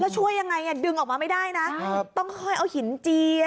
ช่วยยังไงดึงออกมาไม่ได้นะต้องค่อยเอาหินเจีย